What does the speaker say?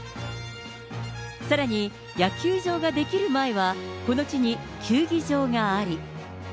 さらに、野球場が出来る前は、この地に球技場があり。